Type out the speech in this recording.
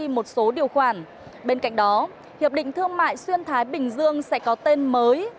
một số điều khoản bên cạnh đó hiệp định thương mại xuyên thái bình dương sẽ có tên mới